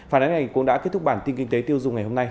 phản ánh này cũng đã kết thúc bản tin kinh tế tiêu dùng ngày hôm nay